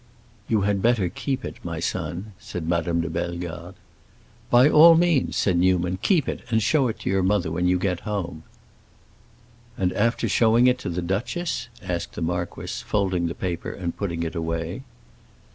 "You had better keep it, my son," said Madame de Bellegarde. "By all means," said Newman; "keep it and show it to your mother when you get home." "And after showing it to the duchess?"—asked the marquis, folding the paper and putting it away.